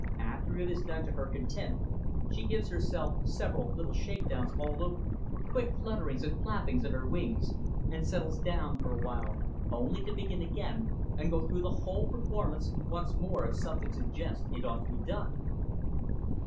After it is done to her content, she gives herself several little shakes down all over, quick flutterings and flappings of her wings, and settles down for awhile only to begin again and go through the whole performance once more if something suggests it ought to be done."